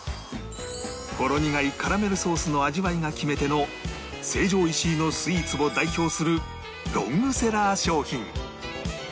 ほろ苦いカラメルソースの味わいが決め手の成城石井のスイーツを代表するロングセラー商品